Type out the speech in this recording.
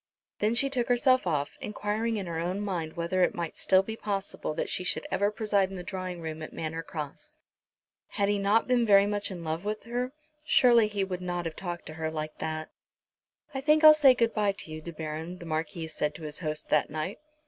Then she took herself off, enquiring in her own mind whether it might still be possible that she should ever preside in the drawing room at Manor Cross. Had he not been very much in love with her, surely he would not have talked to her like that. "I think I'll say good bye to you, De Baron," the Marquis said to his host, that night.